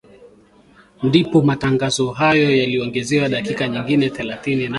ndipo matangazo hayo yaliongezewa dakika nyingine thelathini na